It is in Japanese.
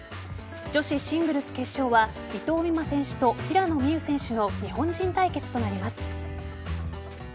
女子シングルス決勝は伊藤美誠選手と平野美宇選手の日本人対決となります。